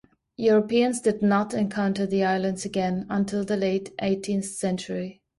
Europeans did not encounter the islands again until the late eighteenth century.